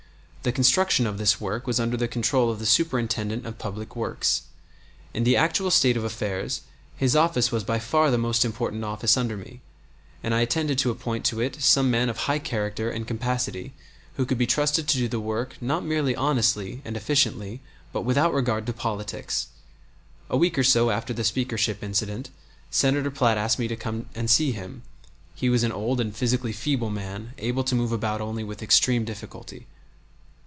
The construction of this work was under the control of the Superintendent of Public Works. In the actual state of affairs his office was by far the most important office under me, and I intended to appoint to it some man of high character and capacity who could be trusted to do the work not merely honestly and efficiently, but without regard to politics. A week or so after the Speakership incident Senator Platt asked me to come and see him (he was an old and physically feeble man, able to move about only with extreme difficulty).